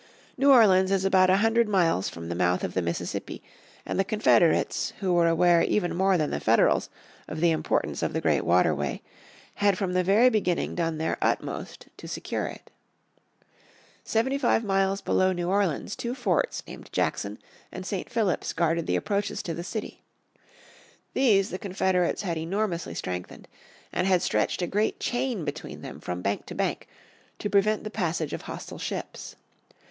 New Orleans is about a hundred miles from the mouth of the Mississippi and the Confederates, who were aware even more than the Federals of the importance of the great waterway, had from the very beginning done their utmost to secure it. Seventy five miles below New Orleans two forts named Jackson and St. Phillips guarded the approaches to the city. These the Confederates had enormously strengthened, and had stretched a great chain between them from bank to bank, to prevent the passage of hostile ships.